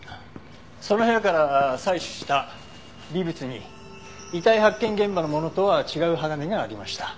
その部屋から採取した微物に遺体発見現場のものとは違う鋼がありました。